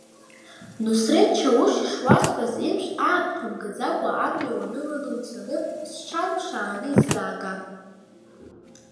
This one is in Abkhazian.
Нусреҭ Чауш ишуасҳәаз еиԥш, аамҭа мгаӡакәа амҩа унаныланы уцаны сҽан ԥшааны исзаага!